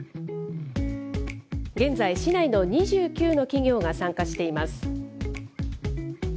現在、市内の２９の企業が参加しています。